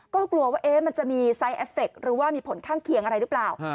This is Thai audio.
ก็กลัวว่ามันจะมีไซสแอฟเฟคหรือว่ามีผลข้างเคียงอะไรหรือเปล่า